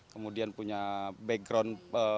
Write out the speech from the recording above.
kemudian punya background